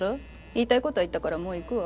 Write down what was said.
言いたい事は言ったからもう行くわ。